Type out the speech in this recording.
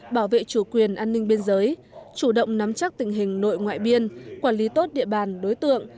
bảo vệ chủ quyền an ninh biên giới chủ động nắm chắc tình hình nội ngoại biên quản lý tốt địa bàn đối tượng